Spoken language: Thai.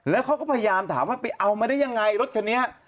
แล้วเขาก็พยายามถามว่าไปเอามาได้ยังไงรถคันนี้